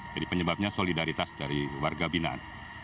jadi penyebabnya solidaritas dari warga binaan